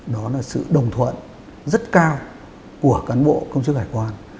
đó là sự đồng thuận rất cao của cán bộ công chức hải quan